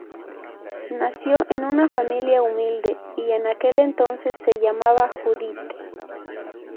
Nació en una familia humilde, y en aquel entonces se llamaba Judith.